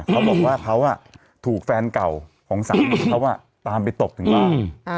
เขาบอกว่าเขาถูกแฟนเก่าของสามีเขาตามไปตบถึงบ้าน